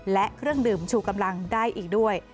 และเครื่องดื่มชูกำลังได้อีกด้วย